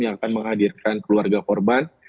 yang akan menghadirkan keluarga korban